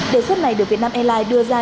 đề xuất này được việt nam airline đưa ra